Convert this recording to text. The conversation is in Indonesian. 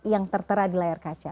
yang tertera di layar kaca